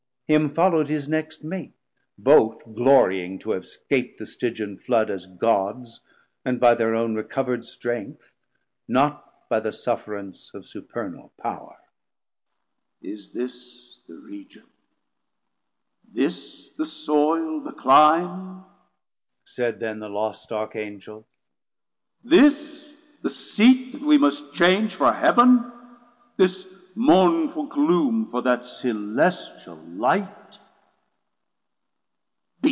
Him followed his next Mate, Both glorying to have scap't the Stygian flood As Gods, and by their own recover'd strength, 240 Not by the sufferance of supernal Power. Is this the Region, this the Soil, the Clime, Said then the lost Arch Angel, this the seat That we must change for Heav'n, this mournful gloom For that celestial light?